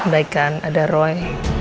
mbaikan ada roy